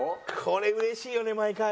これうれしいよね毎回。